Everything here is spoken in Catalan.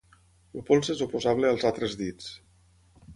El polze és oposable als altres dits.